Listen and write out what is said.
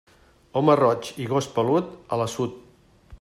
Home roig i gos pelut, a l'assut.